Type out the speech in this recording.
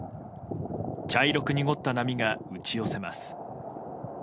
茶色く濁った波が打ち寄せます。